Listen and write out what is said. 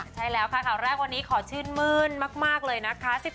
ใช่แล้วค่ะข่าวแรกวันนี้ขอชื่นมื้นมากเลยนะคะ